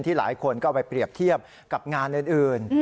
หลายคนก็เอาไปเปรียบเทียบกับงานอื่น